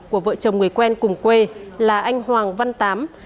của vợ chồng người quen cùng quê là anh hoàng văn tám